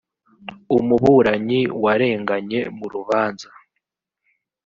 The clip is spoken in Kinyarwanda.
umuburanyi warenganye mu rubanza